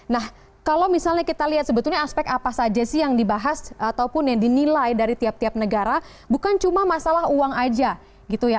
nah kalau misalnya kita lihat sebetulnya aspek apa saja sih yang dibahas ataupun yang dinilai dari tiap tiap negara bukan cuma masalah uang aja gitu ya